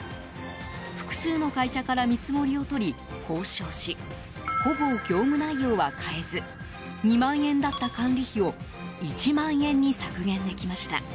複数の会社から見積もりをとり交渉しほぼ業務内容は変えず２万円だった管理費を１万円に削減できました。